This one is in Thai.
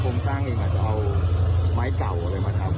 สร้างเองอาจจะเอาไม้เก่าอะไรมาทำ